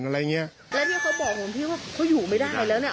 อะไรไงและเนี่ยเขาบอกผมที่ว่าเขาอยู่ไม่ได้แล้วเนี่ย